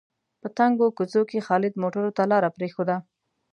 په تنګو کوڅو کې خالد موټرو ته لاره پرېښوده.